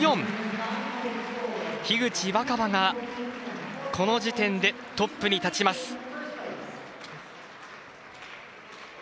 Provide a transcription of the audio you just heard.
樋口新葉がこの時点でトップに立ちます。